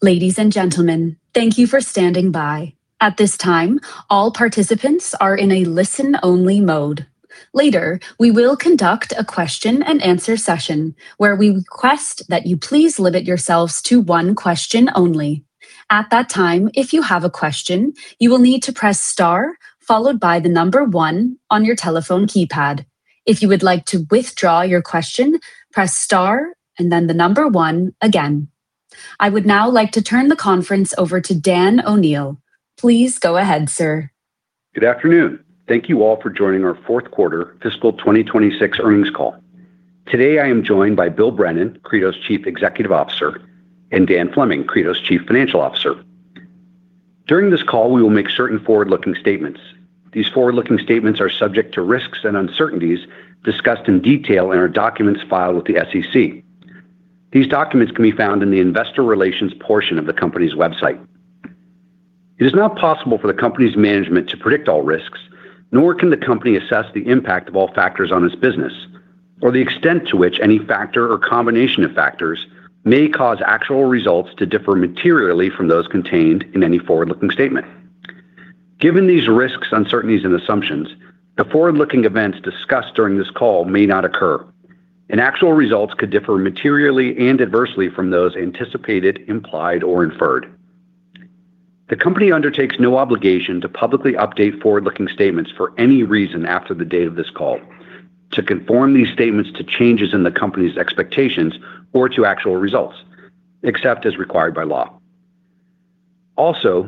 Ladies and gentlemen, thank you for standing by. At this time, all participants are in a listen-only mode. Later, we will conduct a question and answer session where we request that you please limit yourselves to one question only. At that time, if you have a question, you will need to press star followed by the number one on your telephone keypad. If you would like to withdraw your question, press star and then the number one again. I would now like to turn the conference over to Dan O'Neil. Please go ahead, sir. Good afternoon. Thank you all for joining our fourth quarter fiscal 2026 earnings call. Today, I am joined by Bill Brennan, Credo's Chief Executive Officer, and Dan Fleming, Credo's Chief Financial Officer. During this call, we will make certain forward-looking statements. These forward-looking statements are subject to risks and uncertainties discussed in detail in our documents filed with the SEC. These documents can be found in the investor relations portion of the company's website. It is not possible for the company's management to predict all risks, nor can the company assess the impact of all factors on its business or the extent to which any factor or combination of factors may cause actual results to differ materially from those contained in any forward-looking statement. Given these risks, uncertainties, and assumptions, the forward-looking events discussed during this call may not occur, and actual results could differ materially and adversely from those anticipated, implied, or inferred. The company undertakes no obligation to publicly update forward-looking statements for any reason after the date of this call to conform these statements to changes in the company's expectations or to actual results, except as required by law.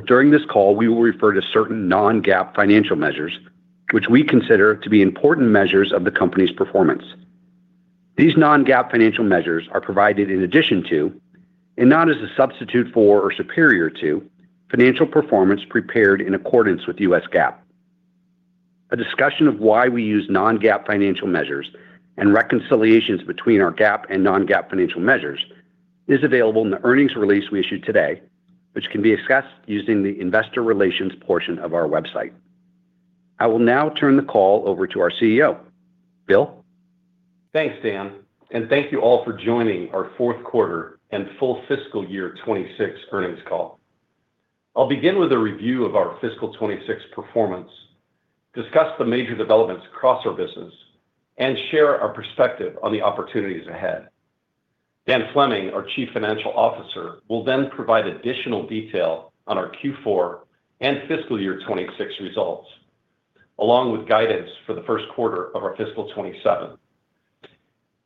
During this call, we will refer to certain non-GAAP financial measures, which we consider to be important measures of the company's performance. These non-GAAP financial measures are provided in addition to, and not as a substitute for or superior to, financial performance prepared in accordance with the US GAAP. A discussion of why we use non-GAAP financial measures and reconciliations between our GAAP and non-GAAP financial measures is available in the earnings release we issued today, which can be accessed using the investor relations portion of our website. I will now turn the call over to our CEO. Bill? Thanks, Dan, and thank you all for joining our fourth quarter and full fiscal year 2026 earnings call. I'll begin with a review of our fiscal 2026 performance, discuss the major developments across our business, and share our perspective on the opportunities ahead. Dan Fleming, our Chief Financial Officer, will then provide additional detail on our Q4 and fiscal year 2026 results, along with guidance for the first quarter of our fiscal 2027.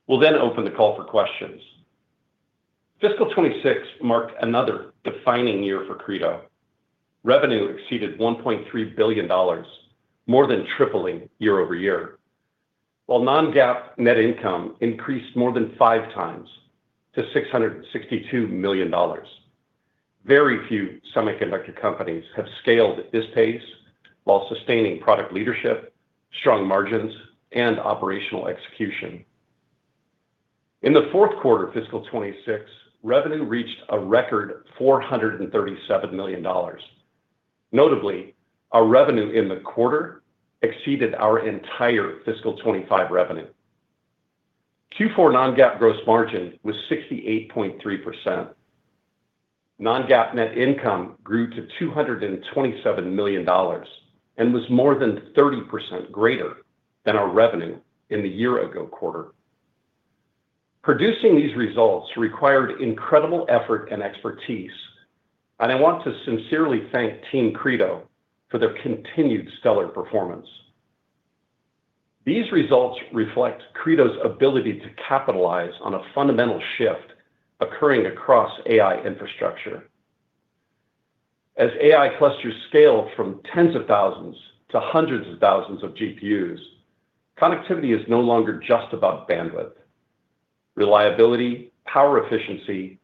We'll then open the call for questions. Fiscal 2026 marked another defining year for Credo. Revenue exceeded $1.3 billion, more than tripling year-over-year, while non-GAAP net income increased more than 5x to $662 million. Very few semiconductor companies have scaled at this pace while sustaining product leadership, strong margins, and operational execution. In the fourth quarter of fiscal 2026, revenue reached a record $437 million. Notably, our revenue in the quarter exceeded our entire fiscal 2025 revenue. Q4 non-GAAP gross margin was 68.3%. Non-GAAP net income grew to $227 million and was more than 30% greater than our revenue in the year-ago quarter. Producing these results required incredible effort and expertise, and I want to sincerely thank team Credo for their continued stellar performance. These results reflect Credo's ability to capitalize on a fundamental shift occurring across AI infrastructure. As AI clusters scale from tens of thousands to hundreds of thousands of GPUs, connectivity is no longer just about bandwidth. Reliability, power efficiency,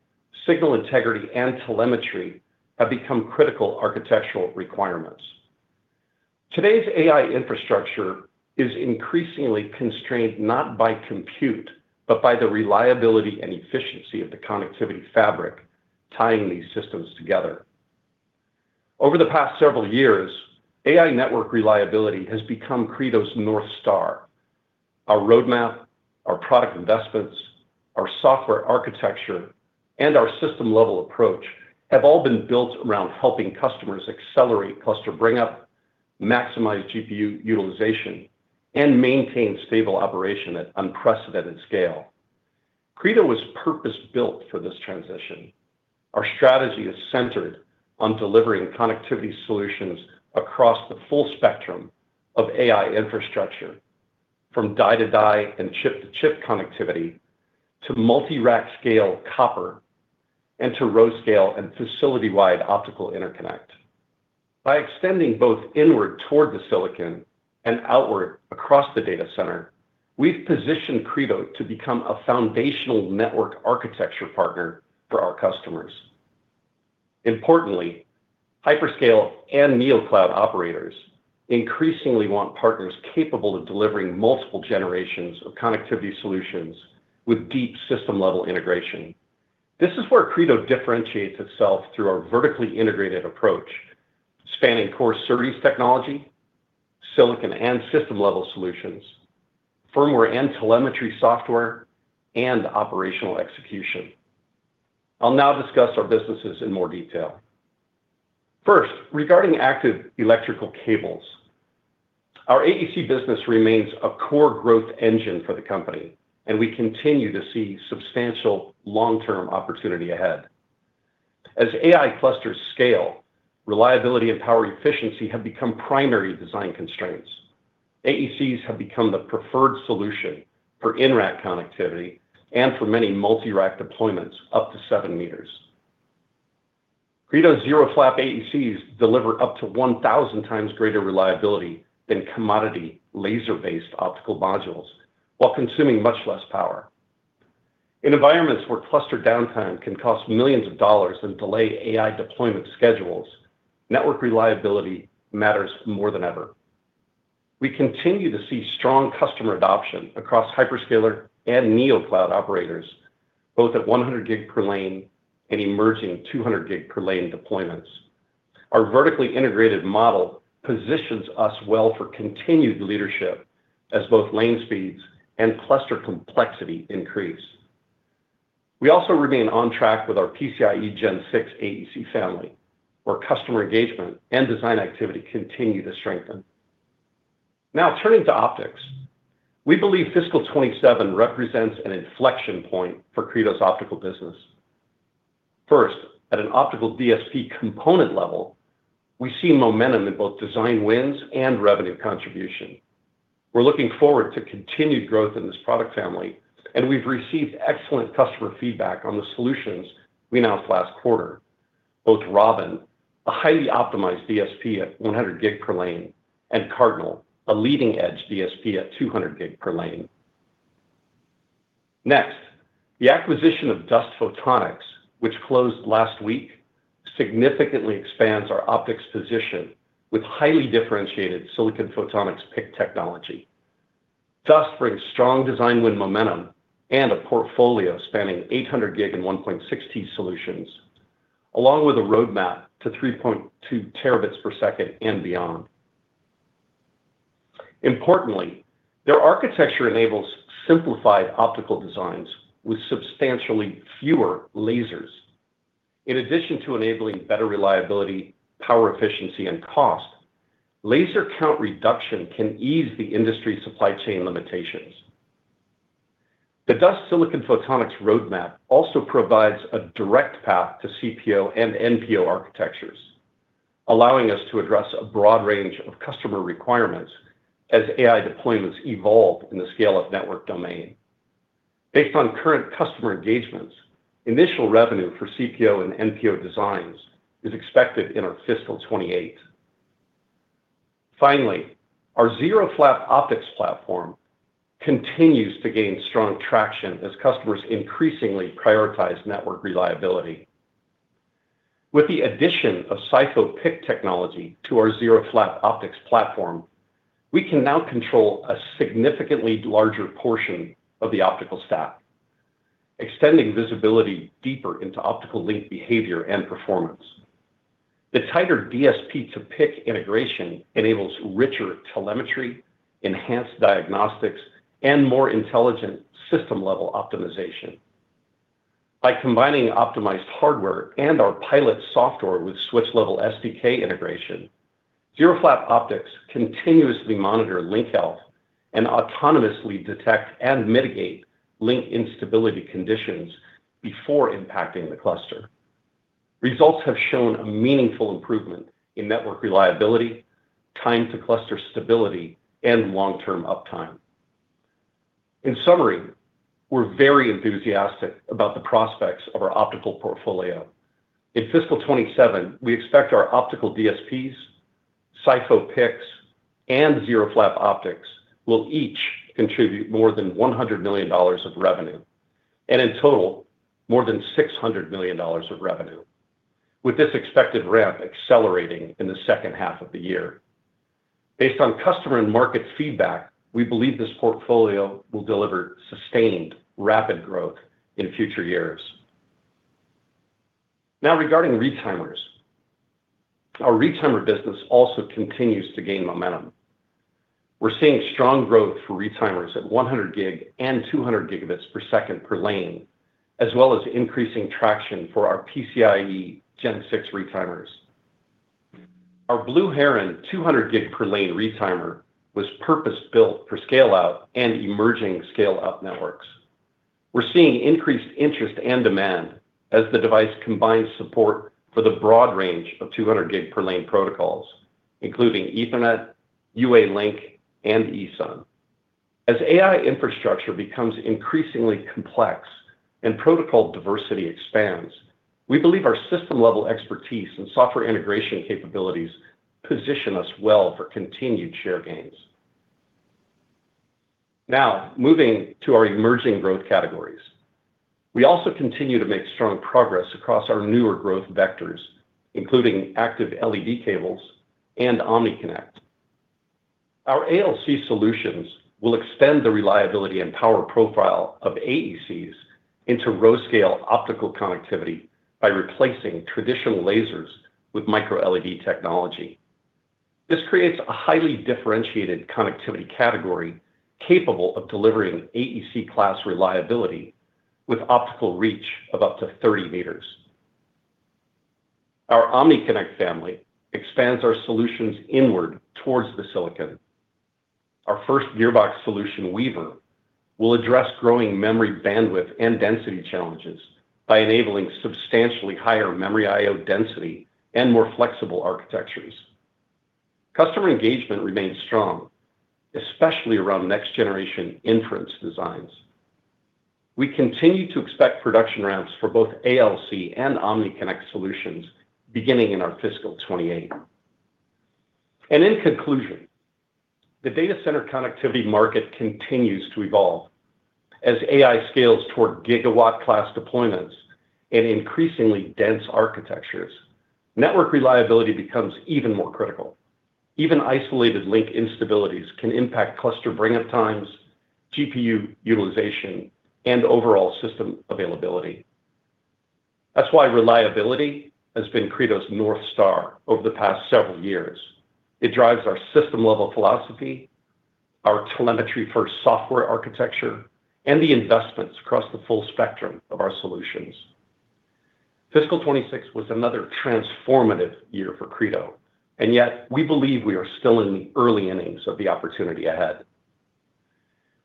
signal integrity, and telemetry have become critical architectural requirements. Today's AI infrastructure is increasingly constrained not by compute, but by the reliability and efficiency of the connectivity fabric tying these systems together. Over the past several years, AI network reliability has become Credo's North Star. Our roadmap, our product investments, our software architecture, and our system-level approach have all been built around helping customers accelerate cluster bring up, maximize GPU utilization, and maintain stable operation at unprecedented scale. Credo was purpose-built for this transition. Our strategy is centered on delivering connectivity solutions across the full spectrum of AI infrastructure, from die-to-die and chip-to-chip connectivity to multi-rack scale copper, and to row-scale and facility-wide optical interconnect. By extending both inward toward the silicon and outward across the data center, we've positioned Credo to become a foundational network architecture partner for our customers. Importantly, hyperscale and neocloud operators increasingly want partners capable of delivering multiple generations of connectivity solutions with deep system-level integration. This is where Credo differentiates itself through our vertically integrated approach, spanning core SerDes technology, silicon and system-level solutions, firmware and telemetry software, and operational execution. I'll now discuss our businesses in more detail. First, regarding Active Electrical Cables, our AEC business remains a core growth engine for the company, and we continue to see substantial long-term opportunity ahead. As AI clusters scale, reliability and power efficiency have become primary design constraints. AECs have become the preferred solution for in-rack connectivity and for many multi-rack deployments up to seven meters. Credo ZeroFlap AECs deliver up to 1,000 times greater reliability than commodity laser-based optical modules, while consuming much less power. In environments where cluster downtime can cost millions of dollars and delay AI deployment schedules, network reliability matters more than ever. We continue to see strong customer adoption across hyperscaler and neo cloud operators, both at 100G per lane and emerging 200G per lane deployments. Our vertically integrated model positions us well for continued leadership as both lane speeds and cluster complexity increase. We also remain on track with our PCIe 6.0 AEC family, where customer engagement and design activity continue to strengthen. Turning to optics. We believe fiscal 2027 represents an inflection point for Credo's optical business. First, at an optical DSP component level, we see momentum in both design wins and revenue contribution. We're looking forward to continued growth in this product family, and we've received excellent customer feedback on the solutions we announced last quarter, both Robin, a highly optimized DSP at 100 G/lane, and Cardinal, a leading-edge DSP at 200 G/lane. Next, the acquisition of DustPhotonics, which closed last week, significantly expands our optics position with highly differentiated silicon photonics PIC technology. Dust brings strong design win momentum and a portfolio spanning 800G and 1.6T solutions, along with a roadmap to 3.2 Tb/s and beyond. Importantly, their architecture enables simplified optical designs with substantially fewer lasers. In addition to enabling better reliability, power efficiency, and cost, laser count reduction can ease the industry supply chain limitations. The DustPhotonics silicon photonics roadmap also provides a direct path to CPO and NPO architectures, allowing us to address a broad range of customer requirements as AI deployments evolve in the scale-up network domain. Based on current customer engagements, initial revenue for CPO and NPO designs is expected in our fiscal 2028. Our ZeroFlap Optics platform continues to gain strong traction as customers increasingly prioritize network reliability. With the addition of SiPho PIC technology to our ZeroFlap Optics platform, we can now control a significantly larger portion of the optical stack, extending visibility deeper into optical link behavior and performance. The tighter DSP to PIC integration enables richer telemetry, enhanced diagnostics, and more intelligent system-level optimization. By combining optimized hardware and our PILOT software with switch-level SDK integration, ZeroFlap Optics continuously monitor link health and autonomously detect and mitigate link instability conditions before impacting the cluster. Results have shown a meaningful improvement in network reliability, time to cluster stability, and long-term uptime. In summary, we're very enthusiastic about the prospects of our optical portfolio. In fiscal 2027, we expect our optical DSPs, SiPho PICs, and ZeroFlap Optics will each contribute more than $100 million of revenue. In total, more than $600 million of revenue, with this expected ramp accelerating in the second half of the year. Based on customer and market feedback, we believe this portfolio will deliver sustained, rapid growth in future years. Now regarding retimers. Our retimer business also continues to gain momentum. We're seeing strong growth for retimers at 100 G and 200 G/lane, as well as increasing traction for our PCIe 6.0 retimers. Our Blue Heron 200 G/lane retimer was purpose-built for scale-out and emerging scale-out networks. We're seeing increased interest and demand as the device combines support for the broad range of 200 G/lane protocols, including Ethernet, UALink, and Ethernet SAN. As AI infrastructure becomes increasingly complex and protocol diversity expands, we believe our system-level expertise and software integration capabilities position us well for continued share gains. Moving to our emerging growth categories. We also continue to make strong progress across our newer growth vectors, including Active Electrical Cables and OmniConnect. Our AOC solutions will extend the reliability and power profile of AECs into row scale optical connectivity by replacing traditional lasers with microLED technology. This creates a highly differentiated connectivity category capable of delivering AEC class reliability with optical reach of up to 30 m. Our OmniConnect family expands our solutions inward towards the silicon. Our first gearbox solution, Weaver, will address growing memory bandwidth and density challenges by enabling substantially higher memory I/O density and more flexible architectures. Customer engagement remains strong, especially around next generation inference designs. We continue to expect production ramps for both AEC and OmniConnect solutions beginning in our fiscal 2028. In conclusion, the data center connectivity market continues to evolve. As AI scales toward gigawatt class deployments and increasingly dense architectures, network reliability becomes even more critical. Even isolated link instabilities can impact cluster bring-up times, GPU utilization, and overall system availability. That's why reliability has been Credo's North Star over the past several years. It drives our system-level philosophy, our telemetry-first software architecture, and the investments across the full spectrum of our solutions. Fiscal 2026 was another transformative year for Credo. Yet we believe we are still in the early innings of the opportunity ahead.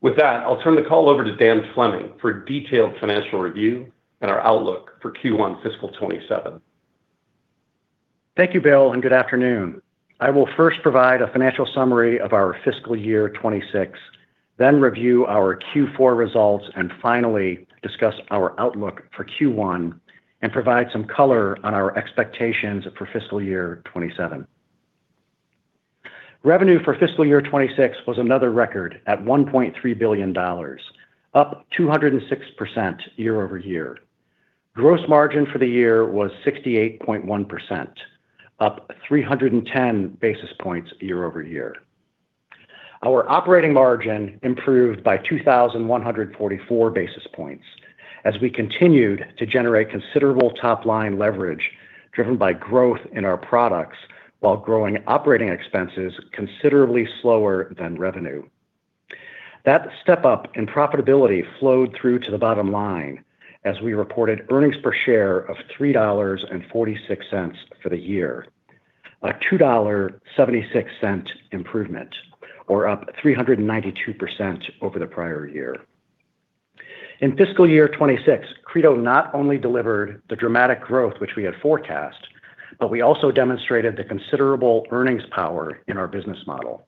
With that, I'll turn the call over to Dan Fleming for a detailed financial review and our outlook for Q1 Fiscal 2027. Thank you, Bill, and good afternoon. I will first provide a financial summary of our FY 2026, then review our Q4 results, and finally discuss our outlook for Q1 and provide some color on our expectations for FY 2027. Revenue for FY 2026 was another record at $1.3 billion, up 206% year-over-year. Gross margin for the year was 68.1%, up 310 basis points year-over-year. Our operating margin improved by 2,144 basis points as we continued to generate considerable top-line leverage driven by growth in our products while growing operating expenses considerably slower than revenue. That step up in profitability flowed through to the bottom line as we reported earnings per share of $3.46 for the year, a $2.76 improvement, or up 392% over the prior year. In fiscal year 2026, Credo not only delivered the dramatic growth which we had forecast, we also demonstrated the considerable earnings power in our business model.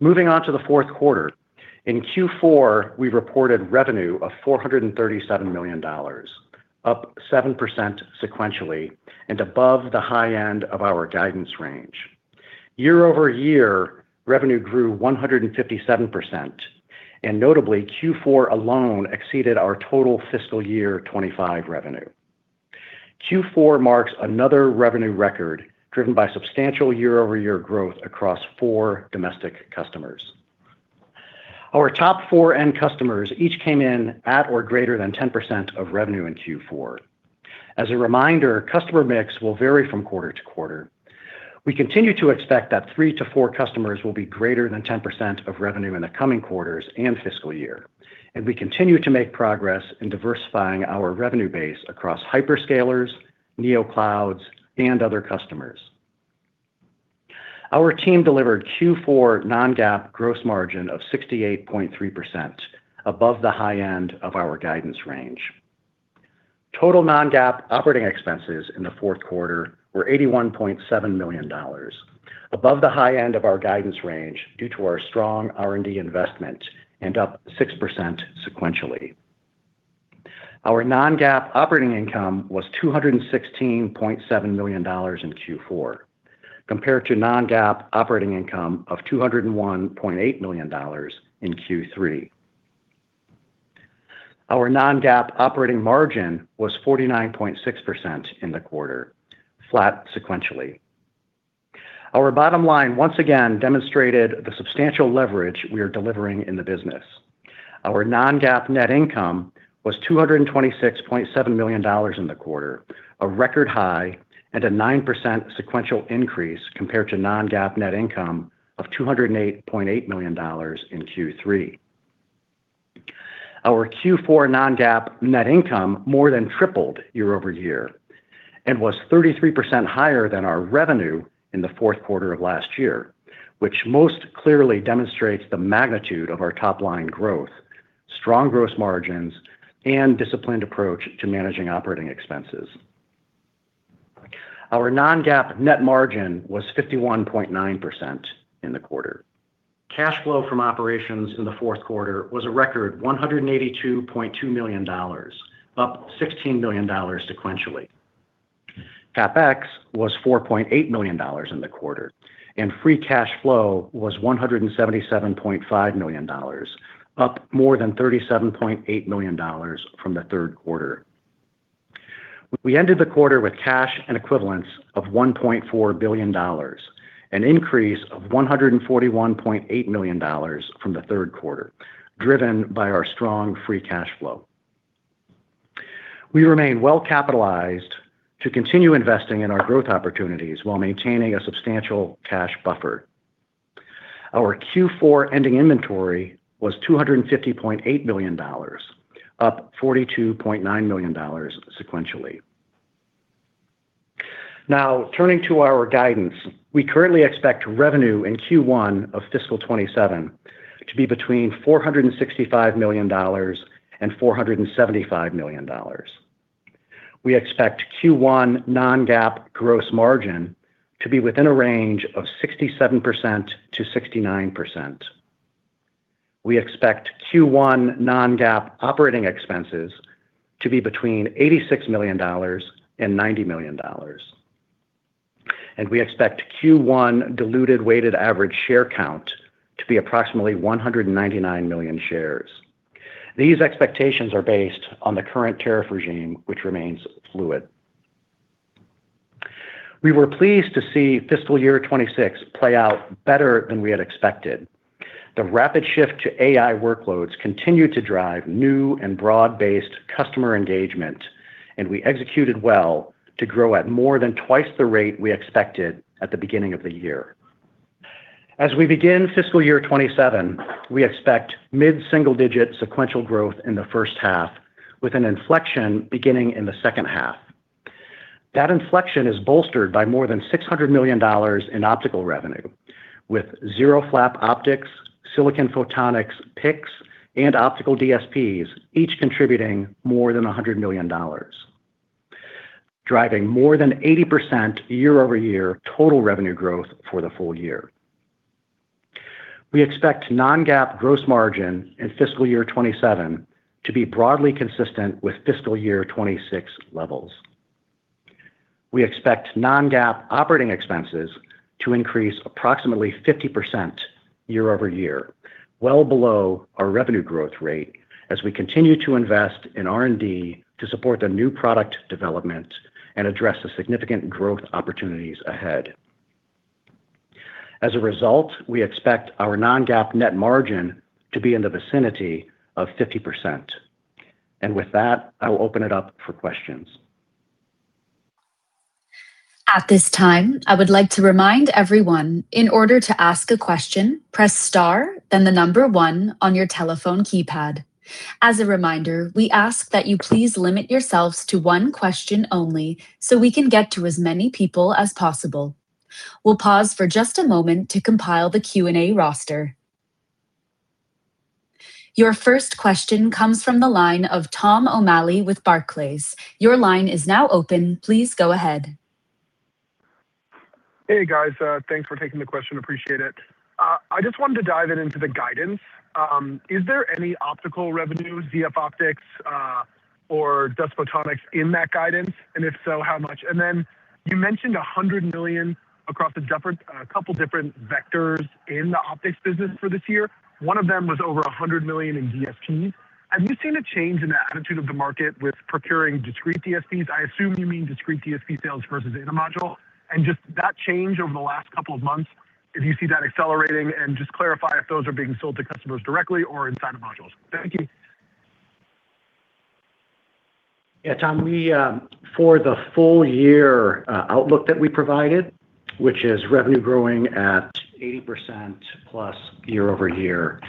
Moving on to the fourth quarter. In Q4, we reported revenue of $437 million, up 7% sequentially and above the high end of our guidance range. Year-over-year, revenue grew 157%, notably, Q4 alone exceeded our total fiscal year 2025 revenue. Q4 marks another revenue record driven by substantial year-over-year growth across four domestic customers. Our top four end customers each came in at or greater than 10% of revenue in Q4. As a reminder, customer mix will vary from quarter-to-quarter. We continue to expect that three to four customers will be greater than 10% of revenue in the coming quarters and fiscal year, and we continue to make progress in diversifying our revenue base across hyperscalers, neoclouds, and other customers. Our team delivered Q4 non-GAAP gross margin of 68.3%, above the high end of our guidance range. Total non-GAAP operating expenses in the fourth quarter were $81.7 million, above the high end of our guidance range due to our strong R&D investment and up 6% sequentially. Our non-GAAP operating income was $216.7 million in Q4, compared to non-GAAP operating income of $201.8 million in Q3. Our non-GAAP operating margin was 49.6% in the quarter, flat sequentially. Our bottom line once again demonstrated the substantial leverage we are delivering in the business. Our non-GAAP net income was $226.7 million in the quarter, a record high and a 9% sequential increase compared to non-GAAP net income of $208.8 million in Q3. Our Q4 non-GAAP net income more than tripled year-over-year and was 33% higher than our revenue in the fourth quarter of last year, which most clearly demonstrates the magnitude of our top-line growth, strong gross margins, and disciplined approach to managing operating expenses. Our non-GAAP net margin was 51.9% in the quarter. Cash flow from operations in the fourth quarter was a record $182.2 million, up $16 million sequentially. CapEx was $4.8 million in the quarter, and free cash flow was $177.5 million, up more than $37.8 million from the third quarter. We ended the quarter with cash and equivalents of $1.4 billion, an increase of $141.8 million from the third quarter, driven by our strong free cash flow. We remain well-capitalized to continue investing in our growth opportunities while maintaining a substantial cash buffer. Our Q4 ending inventory was $250.8 million, up $42.9 million sequentially. Turning to our guidance. We currently expect revenue in Q1 of fiscal 2027 to be between $465 million and $475 million. We expect Q1 non-GAAP gross margin to be within a range of 67%-69%. We expect Q1 non-GAAP operating expenses to be between $86 million and $90 million. We expect Q1 diluted weighted average share count to be approximately 199 million shares. These expectations are based on the current tariff regime, which remains fluid. We were pleased to see fiscal year 2026 play out better than we had expected. The rapid shift to AI workloads continued to drive new and broad-based customer engagement, and we executed well to grow at more than twice the rate we expected at the beginning of the year. As we begin fiscal year 2027, we expect mid-single-digit sequential growth in the first half, with an inflection beginning in the second half. That inflection is bolstered by more than $600 million in optical revenue with ZeroFlap Optics, silicon photonics, PICs, and optical DSPs, each contributing more than $100 million, driving more than 80% year-over-year total revenue growth for the full year. We expect non-GAAP gross margin in fiscal year 2027 to be broadly consistent with fiscal year 2026 levels. We expect non-GAAP operating expenses to increase approximately 50% year-over-year, well below our revenue growth rate, as we continue to invest in R&D to support the new product development and address the significant growth opportunities ahead. As a result, we expect our non-GAAP net margin to be in the vicinity of 50%. With that, I will open it up for questions. At this time, I would like to remind everyone, in order to ask a question, press star, then the number one on your telephone keypad. As a reminder, we ask that you please limit yourselves to one question only, so we can get to as many people as possible. We'll pause for just a moment to compile the Q&A roster. Your first question comes from the line of Tom O'Malley with Barclays. Your line is now open. Please go ahead. Hey, guys. Thanks for taking the question. Appreciate it. I just wanted to dive in into the guidance. Is there any optical revenue, ZeroFlap Optics, or DSP photonics in that guidance? If so, how much? You mentioned $100 million across a couple different vectors in the optics business for this year. One of them was over $100 million in DSPs. Have you seen a change in the attitude of the market with procuring discrete DSPs? I assume you mean discrete DSP sales versus in a module, and just that change over the last couple of months, if you see that accelerating, and just clarify if those are being sold to customers directly or inside of modules. Thank you. Yeah, Tom, for the full year outlook that we provided, which is revenue growing at 80%+ year-over-year,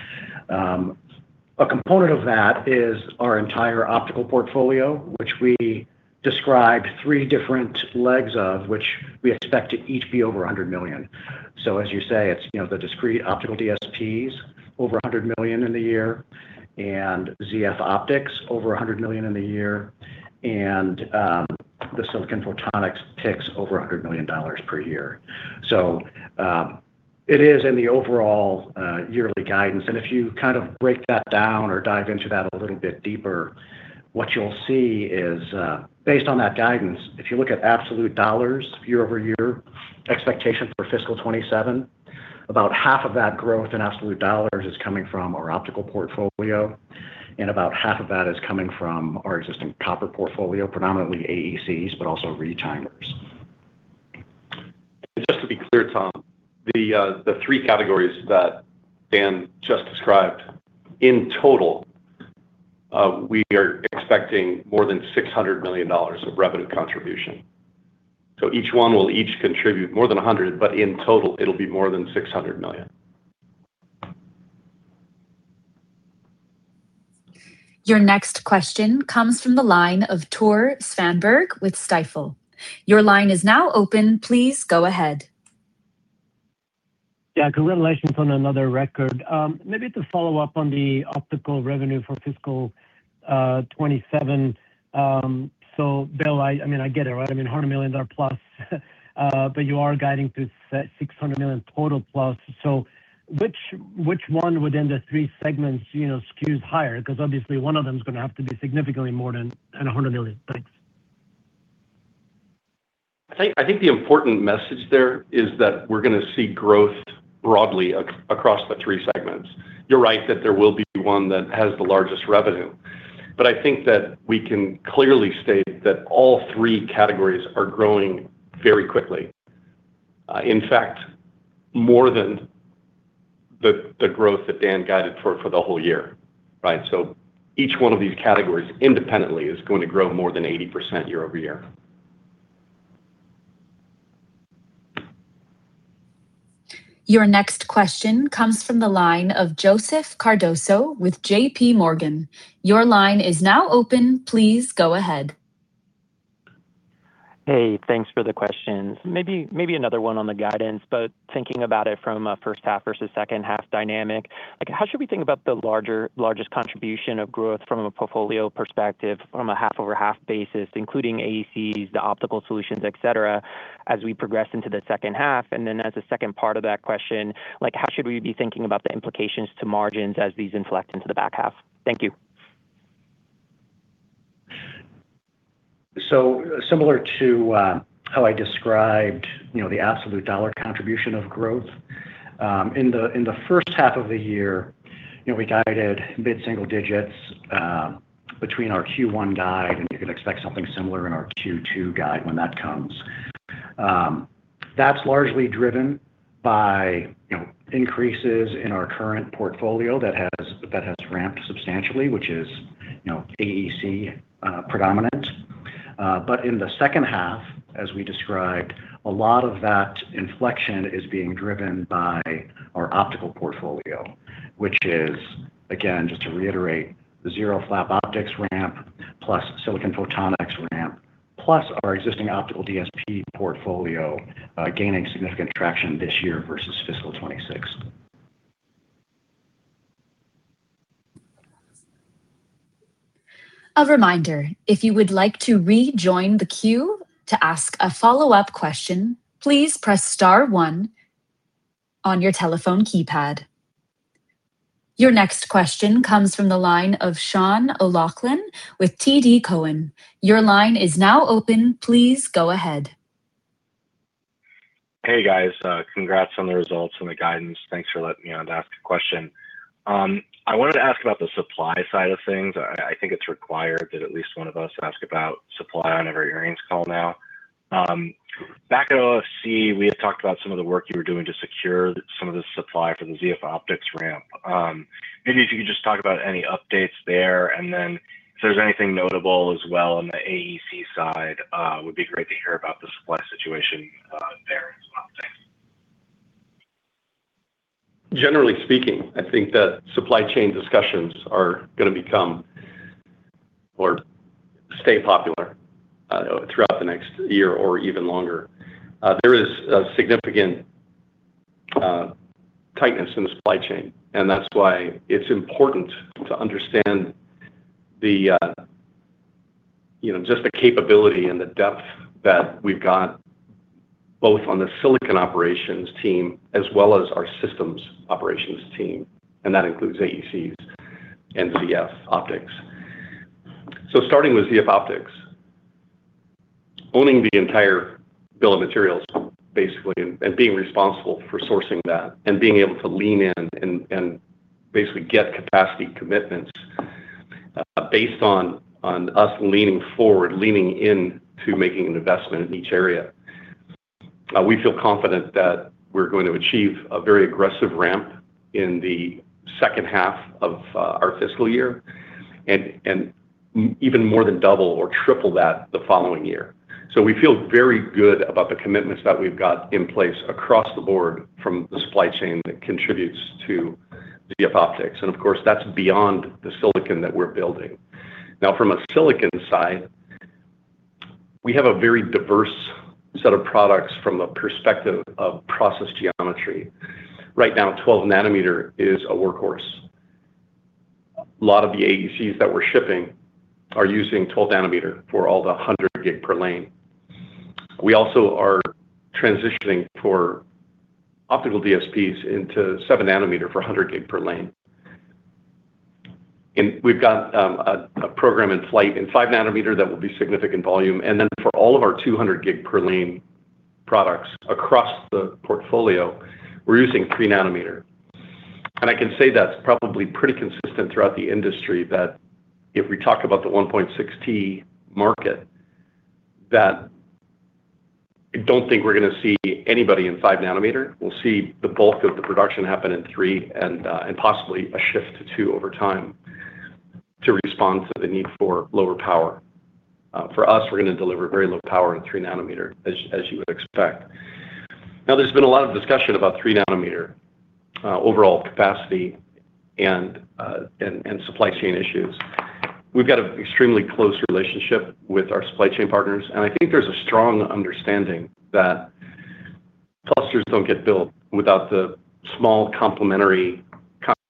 a component of that is our entire optical portfolio, which we described three different legs of, which we expect to each be over $100 million. As you say, it's the discrete optical DSPs, over $100 million in the year, and ZeroFlap Optics, over $100 million in the year, and the silicon photonics PICs, over $100 million per year. It is in the overall yearly guidance, and if you break that down or dive into that a little bit deeper, what you'll see is, based on that guidance, if you look at absolute dollars year-over-year expectation for fiscal 2027, about half of that growth in absolute dollars is coming from our optical portfolio, and about half of that is coming from our existing copper portfolio, predominantly AECs, but also retimers. Just to be clear, Tom, the three categories that Dan just described, in total, we are expecting more than $600 million of revenue contribution. Each one will contribute more than $100 million, but in total, it'll be more than $600 million. Your next question comes from the line of Tore Svanberg with Stifel. Your line is now open. Please go ahead. Congratulations on another record. Maybe to follow up on the optical revenue for fiscal 2027. Bill, I get it, right? $100 million+, but you are guiding to $600 million total plus. Which one within the three segments skews higher? Obviously one of them is going to have to be significantly more than $100 million. Thanks. I think the important message there is that we're going to see growth broadly across the three segments. You're right that there will be one that has the largest revenue, but I think that we can clearly state that all three categories are growing very quickly. In fact, more than the growth that Dan guided for the whole year, right? Each one of these categories independently is going to grow more than 80% year-over-year. Your next question comes from the line of Joseph Cardoso with JPMorgan. Your line is now open. Please go ahead. Hey, thanks for the questions. Maybe another one on the guidance. Thinking about it from a first half versus second half dynamic, how should we think about the largest contribution of growth from a portfolio perspective on a half-over-half basis, including AECs, the optical solutions, et cetera, as we progress into the second half? As a second part of that question, how should we be thinking about the implications to margins as these inflect into the back half? Thank you. Similar to how I described the absolute dollar contribution of growth, in the first half of the year, we guided mid-single digits between our Q1 guide, and you can expect something similar in our Q2 guide when that comes. That's largely driven by increases in our current portfolio that has ramped substantially, which is AEC predominant. But in the second half, as we described, a lot of that inflection is being driven by our optical portfolio, which is, again, just to reiterate, the ZeroFlap Optics ramp, plus silicon photonics ramp, plus our existing optical DSP portfolio gaining significant traction this year versus fiscal 2026. As a reminder if you would like to rejoin the queue to ask a follow up question please press star one on your telephone keypad. Your next question comes from the line of Sean O'Loughlin with TD Cowen. Your line is now open. Please go ahead. Hey, guys. Congrats on the results and the guidance. Thanks for letting me on to ask a question. I wanted to ask about the supply side of things. I think it's required that at least one of us ask about supply on every earnings call now. Back at OFC, we had talked about some of the work you were doing to secure some of the supply for the ZeroFlap Optics ramp. Maybe if you could just talk about any updates there, and then if there's anything notable as well on the AEC side, would be great to hear about the supply situation there as well. Thanks. Generally speaking, I think that supply chain discussions are going to become or stay popular throughout the next year or even longer. There is a significant tightness in the supply chain. That's why it's important to understand just the capability and the depth that we've got, both on the silicon operations team as well as our systems operations team, and that includes AECs and ZeroFlap Optics. Starting with ZeroFlap Optics, owning the entire bill of materials, basically, and being responsible for sourcing that and being able to lean in and basically get capacity commitments based on us leaning forward, leaning in to making an investment in each area. We feel confident that we're going to achieve a very aggressive ramp in the second half of our fiscal year and even more than double or triple that the following year. We feel very good about the commitments that we've got in place across the board from the supply chain that contributes to ZeroFlap Optics. Of course, that's beyond the silicon that we're building. Now, from a silicon side, we have a very diverse set of products from a perspective of process geometry. Right now, 12 nm is a workhorse. A lot of the AECs that we're shipping are using 12 nm for all the 100 G/lane. We also are transitioning for optical DSPs into 7 nm for 100 G/lane. We've got a program in flight in 5 nm that will be significant volume. For all of our 200 G/lane products across the portfolio, we're using 3 nm. I can say that's probably pretty consistent throughout the industry that if we talk about the 1.6T market, I don't think we're going to see anybody in 5 nm. We'll see the bulk of the production happen in 3nm and possibly a shift to two over time to respond to the need for lower power. For us, we're going to deliver very low power in 3 nm, as you would expect. Now, there's been a lot of discussion about 3 nm overall capacity and supply chain issues. We've got an extremely close relationship with our supply chain partners, and I think there's a strong understanding that clusters don't get built without the small complementary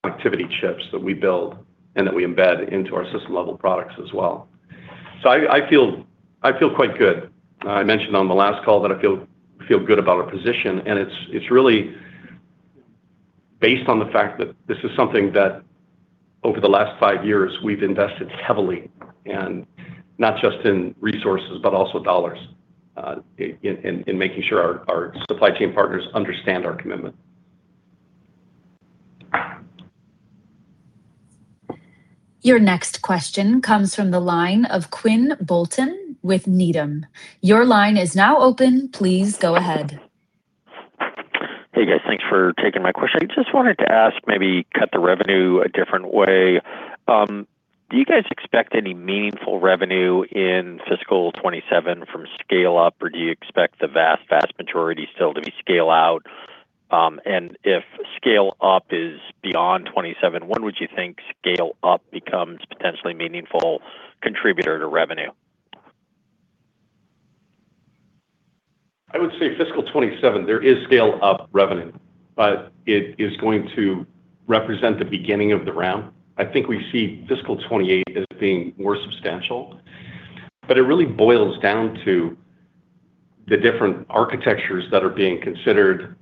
connectivity chips that we build and that we embed into our system-level products as well. I feel quite good. I mentioned on the last call that I feel good about our position, and it's really. Based on the fact that this is something that over the last five years, we've invested heavily in not just in resources, but also dollars in making sure our supply chain partners understand our commitment. Your next question comes from the line of Quinn Bolton with Needham. Your line is now open. Please go ahead. Hey, guys. Thanks for taking my question. I just wanted to ask, maybe cut the revenue a different way. Do you guys expect any meaningful revenue in fiscal 2027 from scale up, or do you expect the vast majority still to be scale out? And if scale up is beyond 2027, when would you think scale up becomes potentially a meaningful contributor to revenue? I would say fiscal 2027, there is scale-up revenue. It is going to represent the beginning of the round. I think we see fiscal 2028 as being more substantial, but it really boils down to the different architectures that are being considered.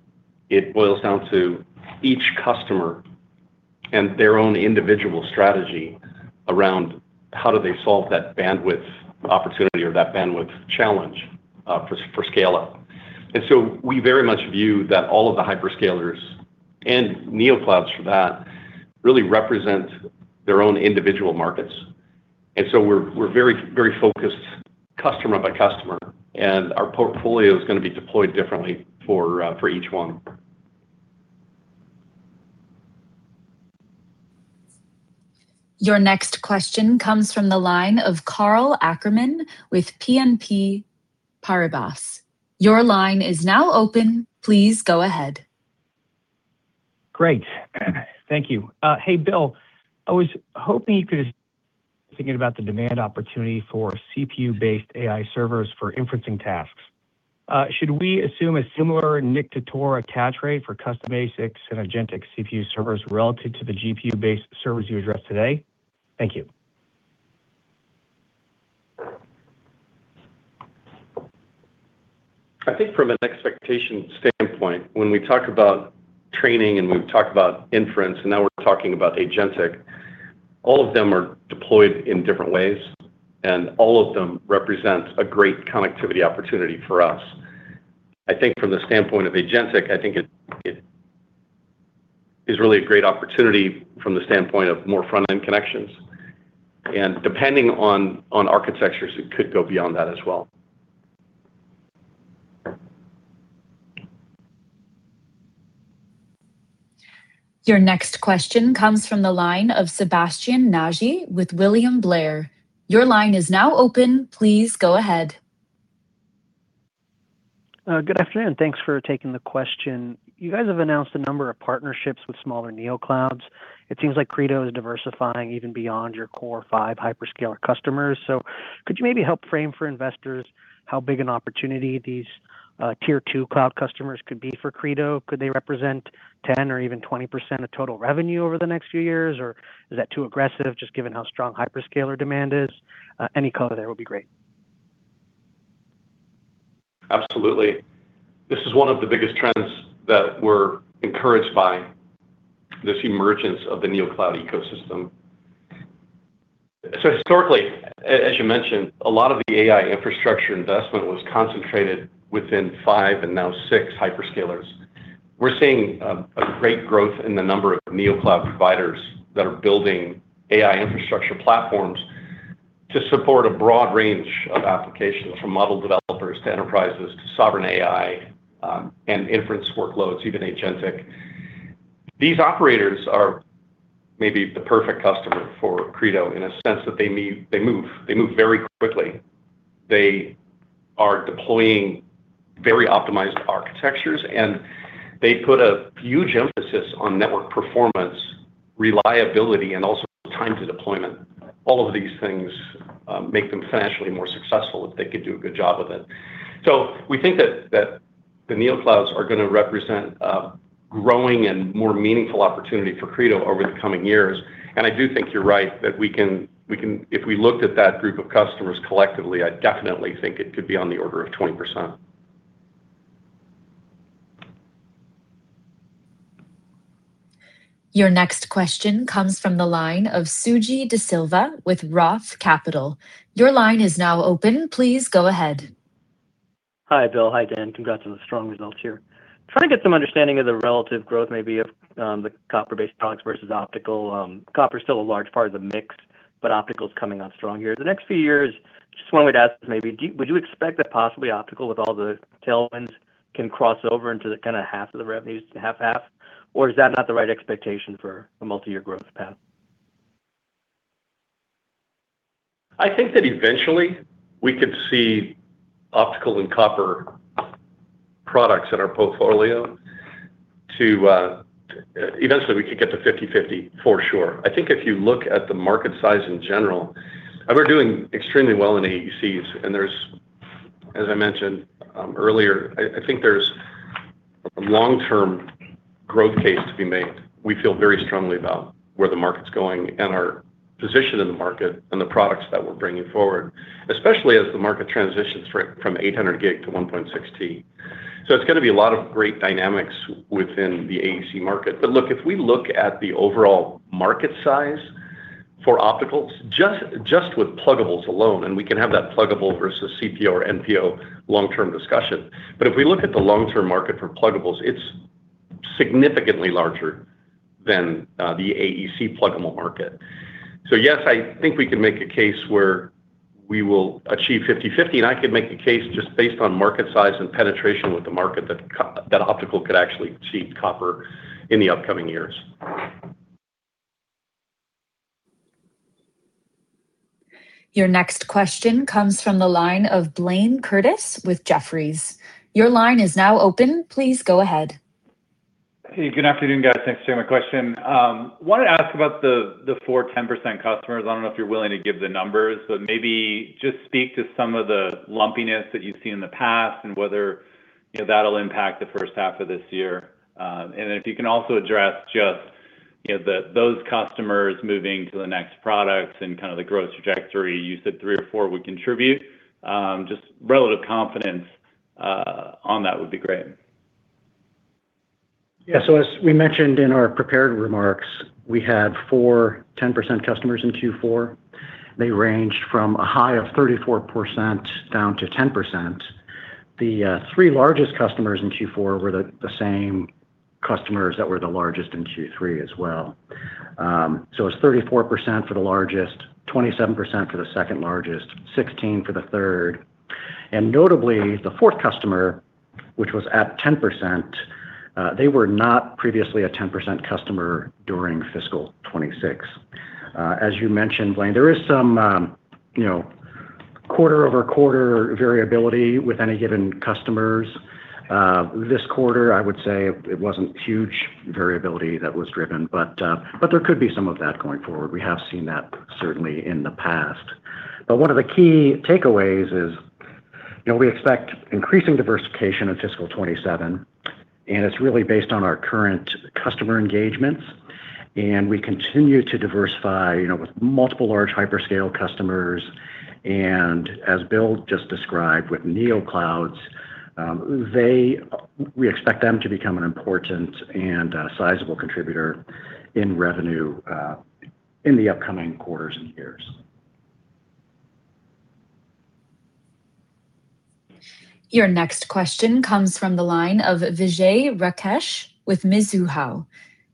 It boils down to each customer and their own individual strategy around how do they solve that bandwidth opportunity or that bandwidth challenge for scale up. We very much view that all of the hyperscalers and neo clouds for that really represent their own individual markets. We're very focused customer by customer, and our portfolio is going to be deployed differently for each one. Your next question comes from the line of Karl Ackerman with BNP Paribas. Your line is now open. Please go ahead. Great. Thank you. Hey, Bill. Thinking about the demand opportunity for CPU-based AI servers for inferencing tasks, should we assume a similar NIC to ToR attach rate for custom ASICs and agentic CPU servers relative to the GPU-based servers you addressed today? Thank you. I think from an expectation standpoint, when we talk about training and we've talked about inference, and now we're talking about agentic, all of them are deployed in different ways, and all of them represent a great connectivity opportunity for us. I think from the standpoint of agentic, I think it is really a great opportunity from the standpoint of more front-end connections. Depending on architectures, it could go beyond that as well. Your next question comes from the line of Sebastien Naji with William Blair. Your line is now open. Please go ahead. Good afternoon. Thanks for taking the question. You guys have announced a number of partnerships with smaller neo clouds. It seems like Credo is diversifying even beyond your core five hyperscaler customers. Could you maybe help frame for investors how big an opportunity these Tier 2 cloud customers could be for Credo? Could they represent 10% or even 20% of total revenue over the next few years, or is that too aggressive, just given how strong hyperscaler demand is? Any color there would be great. Absolutely. This is one of the biggest trends that we're encouraged by, this emergence of the neo cloud ecosystem. Historically, as you mentioned, a lot of the AI infrastructure investment was concentrated within five and now six hyperscalers. We're seeing a great growth in the number of neo cloud providers that are building AI infrastructure platforms to support a broad range of applications, from model developers to enterprises to sovereign AI, and inference workloads, even agentic. These operators are maybe the perfect customer for Credo in a sense that they move very quickly. They are deploying very optimized architectures, and they put a huge emphasis on network performance, reliability, and also time to deployment. All of these things make them financially more successful if they could do a good job of it. We think that the neo clouds are going to represent a growing and more meaningful opportunity for Credo over the coming years. I do think you're right that if we looked at that group of customers collectively, I definitely think it could be on the order of 20%. Your next question comes from the line of Suji Desilva with Roth Capital. Your line is now open. Please go ahead. Hi, Bill. Hi, Dan. Congrats on the strong results here. Trying to get some understanding of the relative growth maybe of the copper-based products versus optical. Copper's still a large part of the mix, optical's coming on strong here. The next few years, just wanted to ask maybe, would you expect that possibly optical with all the tailwinds can cross over into the half of the revenues, half-half? Is that not the right expectation for a multi-year growth path? I think that eventually we could see optical and copper products in our portfolio. Eventually, we could get to 50/50 for sure. I think if you look at the market size in general, and we're doing extremely well in AECs, and as I mentioned earlier, I think there's a long-term growth case to be made. We feel very strongly about where the market's going and our. position in the market and the products that we're bringing forward, especially as the market transitions from 800 G to 1.6T. It's going to be a lot of great dynamics within the AEC market. Look, if we look at the overall market size for opticals, just with pluggables alone, and we can have that pluggable versus CPO or NPO long-term discussion. If we look at the long-term market for pluggables, it's significantly larger than the AEC pluggable market. Yes, I think we can make a case where we will achieve 50/50, and I could make the case just based on market size and penetration with the market that optical could actually exceed copper in the upcoming years. Your next question comes from the line of Blayne Curtis with Jefferies. Your line is now open. Please go ahead. Hey, good afternoon, guys. Thanks for taking my question. Wanted to ask about the four 10% customers. I don't know if you're willing to give the numbers, but maybe just speak to some of the lumpiness that you've seen in the past and whether that'll impact the first half of this year. If you can also address just those customers moving to the next products and kind of the growth trajectory. You said three or four would contribute. Just relative confidence on that would be great. Yeah. As we mentioned in our prepared remarks, we had four 10% customers in Q4. They ranged from a high of 34% down to 10%. The three largest customers in Q4 were the same customers that were the largest in Q3 as well. It's 34% for the largest, 27% for the second largest, 16% for the third, and notably the fourth customer, which was at 10%, they were not previously a 10% customer during fiscal 2026. As you mentioned, Blayne, there is some quarter-over-quarter variability with any given customers. This quarter, I would say it wasn't huge variability that was driven. There could be some of that going forward. We have seen that certainly in the past. One of the key takeaways is we expect increasing diversification in fiscal 2027, and it's really based on our current customer engagements, and we continue to diversify with multiple large hyperscale customers, and as Bill just described with NeoClouds, we expect them to become an important and sizable contributor in revenue in the upcoming quarters and years. Your next question comes from the line of Vijay Rakesh with Mizuho.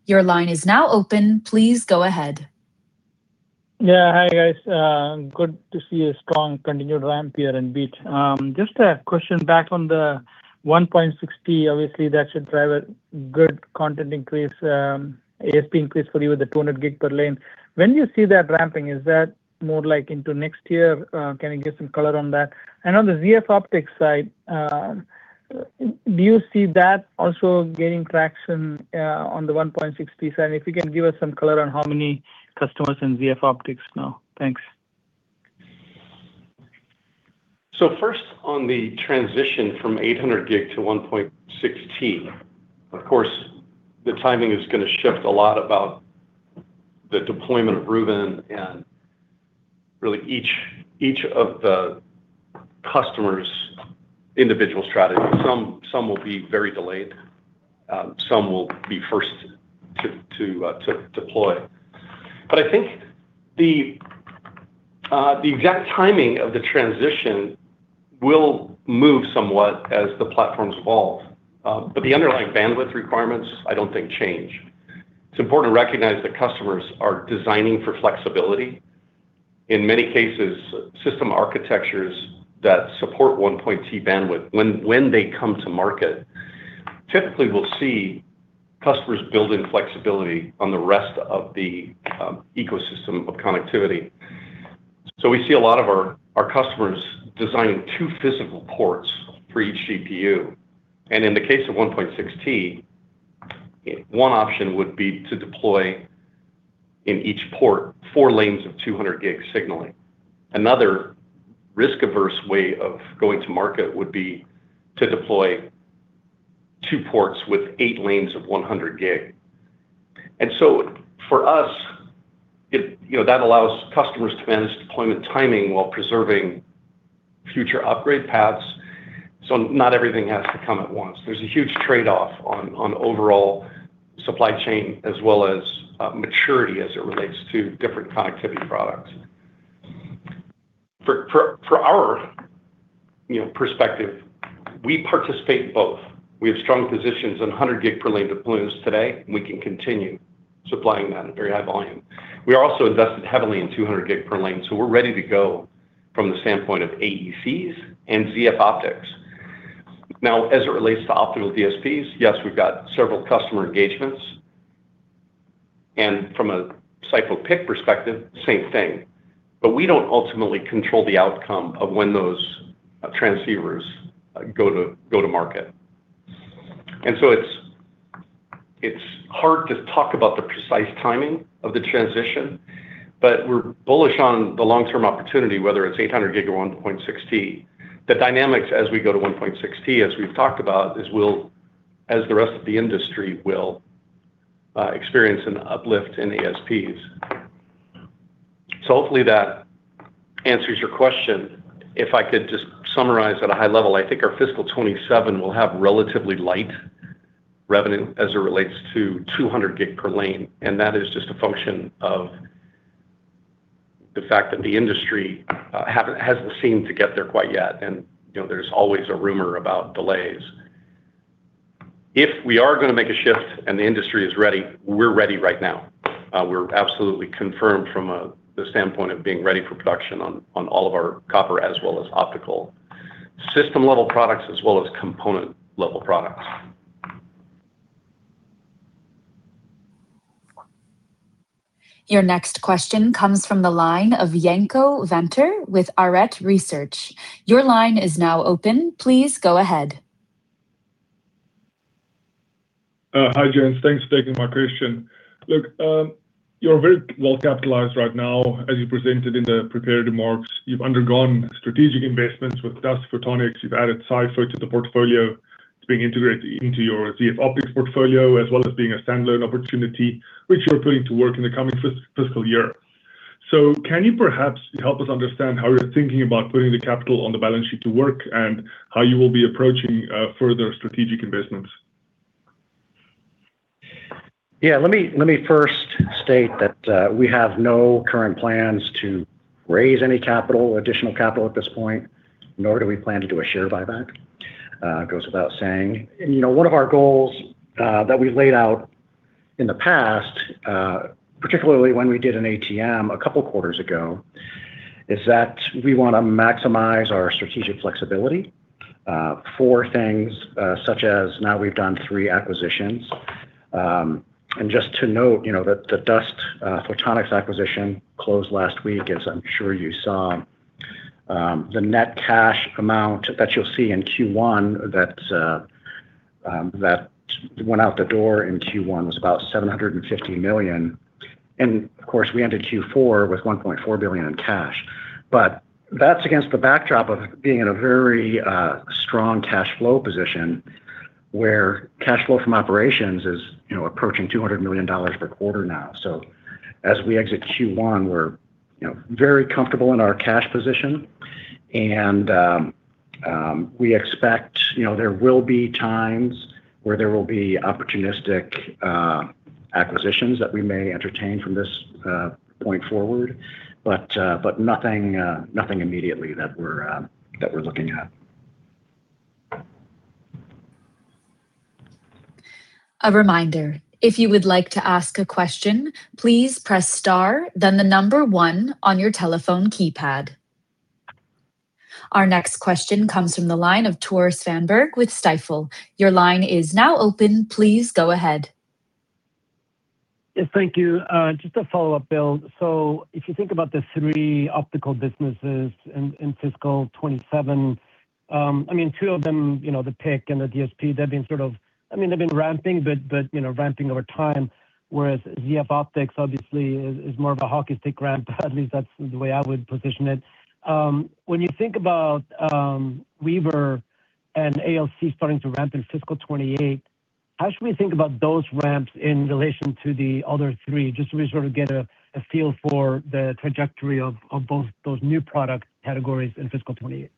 Your line is now open. Please go ahead. Hi, guys. Good to see a strong continued ramp here in AEC. Just a question back on the 1.6T. Obviously, that should drive a good content increase, ASP increase for you with the 200 G/lane. When do you see that ramping? Is that more like into next year? Can I get some color on that? On the ZeroFlap Optics side, do you see that also gaining traction on the 1.6T? If you can give us some color on how many customers in ZeroFlap Optics now. Thanks. First on the transition from 800 G to 1.6T, of course, the timing is going to shift a lot about the deployment of Robin and really each of the customers' individual strategies. Some will be very delayed. Some will be first to deploy. I think the exact timing of the transition will move somewhat as the platforms evolve. The underlying bandwidth requirements, I don't think change. It's important to recognize that customers are designing for flexibility. In many cases, system architectures that support 1.2T bandwidth when they come to market, typically we'll see customers build in flexibility on the rest of the ecosystem of connectivity. We see a lot of our customers designing two physical ports for each GPU. In the case of 1.6T, one option would be to deploy in each port four lanes of 200 G signaling. Another risk-averse way of going to market would be to deploy two ports with 8 lanes of 100 G. For us, that allows customers to manage deployment timing while preserving future upgrade paths. Not everything has to come at once. There's a huge trade-off on overall supply chain as well as maturity as it relates to different connectivity products. For our perspective, we participate in both. We have strong positions on 100 G/lane deployments today, and we can continue supplying that at very high volume. We are also invested heavily in 200 G/lane. We're ready to go from the standpoint of AECs and ZeroFlap Optics. Now, as it relates to optical DSPs, yes, we've got several customer engagements. From a SiPho PIC perspective, same thing. We don't ultimately control the outcome of when those transceivers go to market. It's hard to talk about the precise timing of the transition, but we're bullish on the long-term opportunity, whether it's 800 G or 1.6T. The dynamics as we go to 1.6T, as we've talked about, is as the rest of the industry will experience an uplift in ASPs. Hopefully that answers your question. If I could just summarize at a high level, I think our fiscal 2027 will have relatively light revenue as it relates to 200 G/lane, and that is just a function of the fact that the industry hasn't seemed to get there quite yet. There's always a rumor about delays. If we are going to make a shift and the industry is ready, we're ready right now. We're absolutely confirmed from the standpoint of being ready for production on all of our copper as well as optical system-level products, as well as component-level products. Your next question comes from the line of Janco Venter with Arete Research. Your line is now open. Please go ahead. Hi, gents. Thanks for taking my question. You're very well capitalized right now, as you presented in the prepared remarks. You've undergone strategic investments with DustPhotonics. You've added SiPho to the portfolio. It's being integrated into your ZF Optics portfolio, as well as being a standalone opportunity, which you're putting to work in the coming fiscal year. Can you perhaps help us understand how you're thinking about putting the capital on the balance sheet to work, and how you will be approaching further strategic investments? Yeah, let me first state that we have no current plans to raise any additional capital at this point, nor do we plan to do a share buyback. It goes without saying. One of our goals that we laid out in the past, particularly when we did an ATM a couple of quarters ago, is that we want to maximize our strategic flexibility for things such as now we've done three acquisitions. Just to note, the DustPhotonics acquisition closed last week, as I'm sure you saw. The net cash amount that you'll see in Q1 that went out the door in Q1 was about $750 million. Of course, we ended Q4 with $1.4 billion in cash. That's against the backdrop of being in a very strong cash flow position, where cash flow from operations is approaching $200 million per quarter now. As we exit Q1, we're very comfortable in our cash position, and we expect there will be times where there will be opportunistic acquisitions that we may entertain from this point forward. Nothing immediately that we're looking at. A reminder, if you would like to ask a question, please press star, then the number one on your telephone keypad. Our next question comes from the line of Tore Svanberg with Stifel. Your line is now open. Please go ahead. Yes, thank you. Just a follow-up, Bill. If you think about the three optical businesses in fiscal 2027, two of them, the PIC and the DSP, they've been ramping, but ramping over time, whereas ZeroFlap Optics obviously is more of a hockey stick ramp. At least that's the way I would position it. When you think about Weaver and AEC starting to ramp in fiscal 2028, how should we think about those ramps in relation to the other three, just so we sort of get a feel for the trajectory of both those new product categories in fiscal 2028?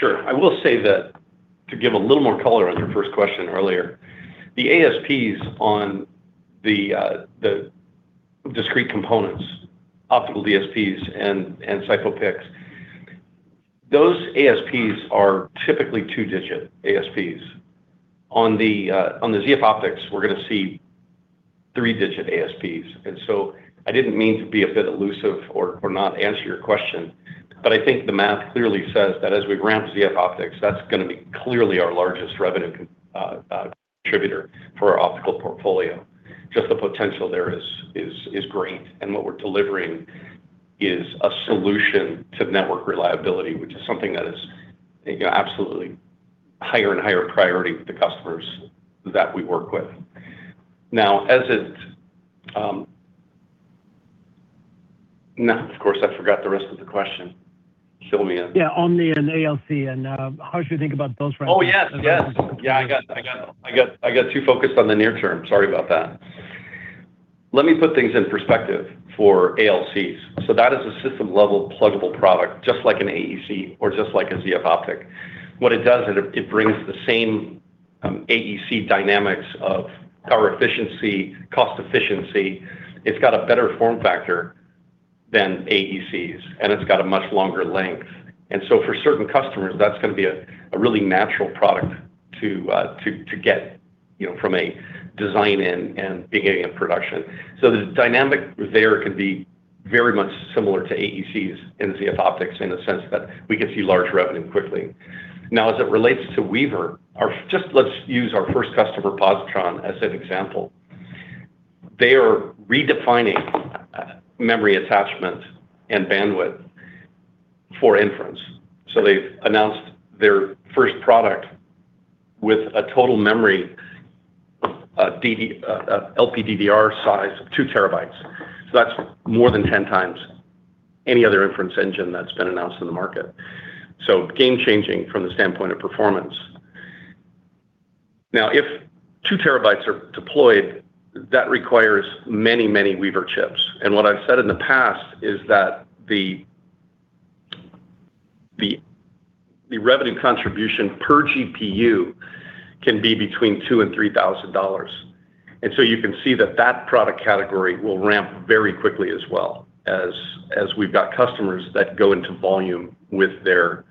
Sure. I will say that to give a little more color on your first question earlier, the ASPs on the discrete components, optical DSPs, and SiPho PICs, those ASPs are typically two-digit ASPs. On the ZeroFlap Optics, we're going to see three-digit ASPs. I didn't mean to be a bit elusive or not answer your question, but I think the math clearly says that as we ramp ZeroFlap Optics, that's going to be clearly our largest revenue contributor for our optical portfolio. Just the potential there is great. What we're delivering is a solution to network reliability, which is something that is absolutely higher and higher priority with the customers that we work with. Now, No, of course, I forgot the rest of the question. Fill me in. Yeah, Omni and AEC, how should we think about those ramps? Oh, yes. Yeah, I got too focused on the near term. Sorry about that. Let me put things in perspective for AECs. That is a system-level pluggable product, just like an AEC or just like a ZF optic. What it does is it brings the same AEC dynamics of power efficiency, cost efficiency. It's got a better form factor than AECs, and it's got a much longer length. For certain customers, that's going to be a really natural product to get from a design and beginning of production. The dynamic there can be very much similar to AECs and ZeroFlap Optics in the sense that we could see large revenue quickly. Now, as it relates to Weaver, let's use our first customer, Positron, as an example. They are redefining memory attachment and bandwidth for inference. They've announced their first product with a total memory A LPDDR size of 2 TB. That's more than 10x any other inference engine that's been announced in the market. Game-changing from the standpoint of performance. If 2 TB are deployed, that requires many Weaver chips. What I've said in the past is that the revenue contribution per GPU can be between $2,000 and $3,000. You can see that product category will ramp very quickly as well, as we've got customers that go into volume with their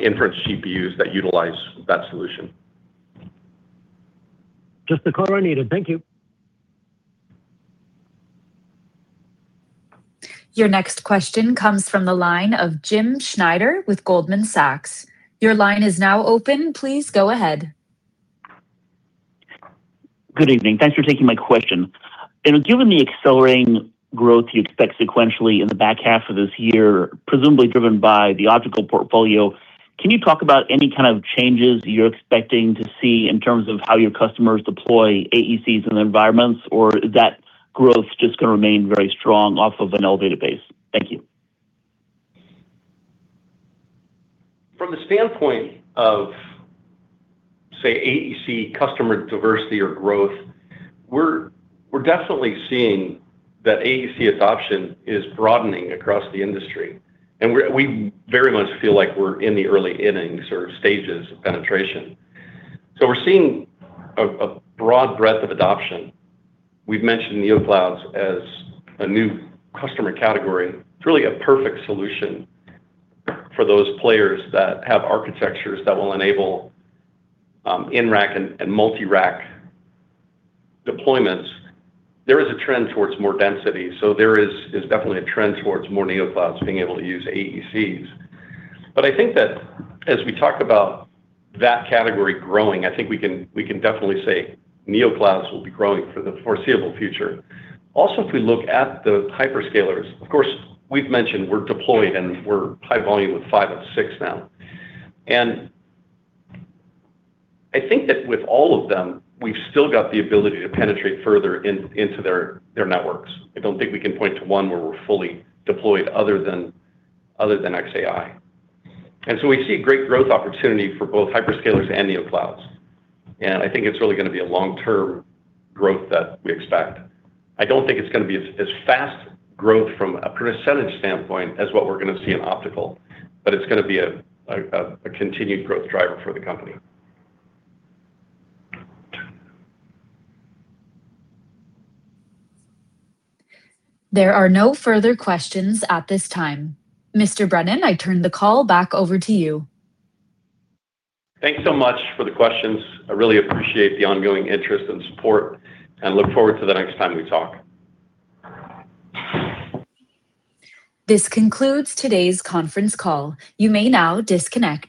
inference GPUs that utilize that solution. Just the color I needed. Thank you. Your next question comes from the line of Jim Schneider with Goldman Sachs. Your line is now open. Please go ahead. Good evening. Thanks for taking my question. Given the accelerating growth you expect sequentially in the back half of this year, presumably driven by the optical portfolio, can you talk about any kind of changes you're expecting to see in terms of how your customers deploy AECs in the environments, or is that growth just going to remain very strong off of an elevated base? Thank you. From the standpoint of, say, AEC customer diversity or growth, we're definitely seeing that AEC adoption is broadening across the industry. We very much feel like we're in the early innings or stages of penetration. We're seeing a broad breadth of adoption. We've mentioned neo clouds as a new customer category. It's really a perfect solution for those players that have architectures that will enable in-rack and multi-rack deployments. There is a trend towards more density, there is definitely a trend towards more neo clouds being able to use AECs. I think that as we talk about that category growing, I think we can definitely say neo clouds will be growing for the foreseeable future. Also, if we look at the hyperscalers, of course, we've mentioned we're deployed and we're high volume with five of six now. I think that with all of them, we've still got the ability to penetrate further into their networks. I don't think we can point to one where we're fully deployed other than xAI. We see great growth opportunity for both hyperscalers and neo clouds. I think it's really going to be a long-term growth that we expect. I don't think it's going to be as fast growth from a percentage standpoint as what we're going to see in optical, but it's going to be a continued growth driver for the company. There are no further questions at this time. Mr. Brennan, I turn the call back over to you. Thanks so much for the questions. I really appreciate the ongoing interest and support, and look forward to the next time we talk. This concludes today's conference call. You may now disconnect.